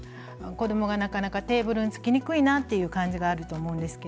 子どもがなかなかテーブルにつきにくいなという感じがあると思います。